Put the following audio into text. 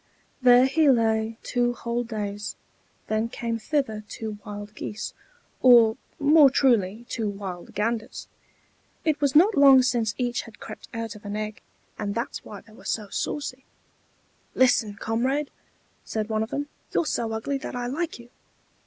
There he lay two whole days; then came thither two wild geese, or, more truly, two wild ganders. It was not long since each had crept out of an egg, and that's why they were so saucy. "Listen, comrade," said one of them. "You're so ugly that I like you.